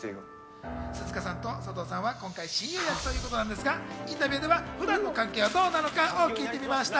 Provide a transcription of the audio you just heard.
鈴鹿さんと佐藤さんは今回、親友役ということなんですが、インタビューでは普段の関係はどうなのか聞いてみました。